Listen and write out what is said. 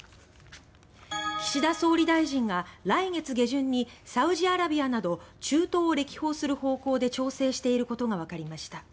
岸田総理大臣が来月下旬にサウジアラビアなど中東を歴訪する方向で調整していることがわかりました。